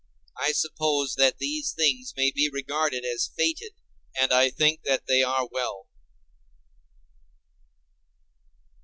I suppose that these things may be regarded as fated—and I think that they are well.